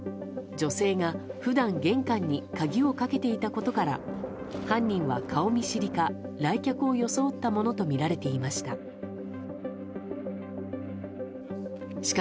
女性が、普段玄関に鍵をかけていたことから犯人は顔見知りか来客を装ったものとみられていました。